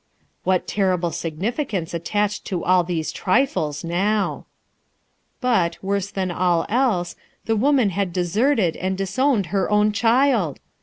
What terrible sig nificance attached to all these trifles now ! But, worse than all else, the woman had deserted and disowned her own child